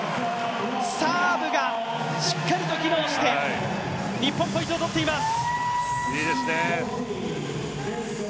サーブがしっかりと機能して日本、ポイントを取っています！